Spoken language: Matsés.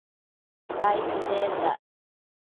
Aidi nendac